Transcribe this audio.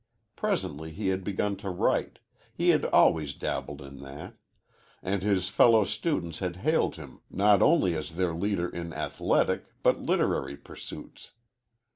Presently he had begun to write he had always dabbled in that and his fellow students had hailed him not only as their leader in athletic but literary pursuits.